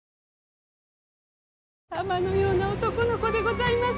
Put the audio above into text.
玉のような男の子でございます。